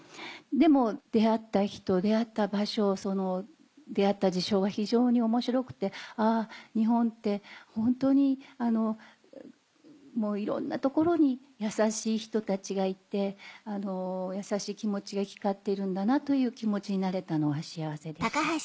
でも出会った人出合った場所その出合った事象が非常に面白くてあぁ日本ってホントにいろんな所に優しい人たちがいて優しい気持ちが行き交っているんだなという気持ちになれたのは幸せでした。